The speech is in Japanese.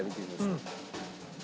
うん。